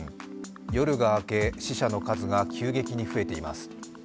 夜が明け、死者の数が急激に増えています。